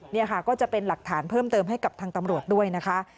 นี่ค่ะก็จะเป็นหลักฐานเพิ่มเติมให้กับทางตำรวจด้วยนะคะ